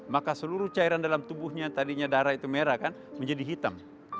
maka seluruh cairan dalam tubuhnya tadinya darah itu merah kan menjadi hitam